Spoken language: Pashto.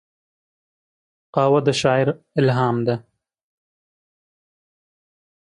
قهوه د شاعر الهام ده